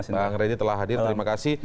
bang reni telah hadir terima kasih